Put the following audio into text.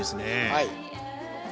はい。